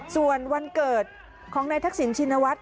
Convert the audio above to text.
ส่วนวันเกิดของนายทักษิณชินวัฒน